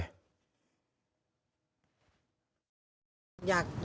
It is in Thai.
ลูกชายยังไม่รู้สึกตัวเลย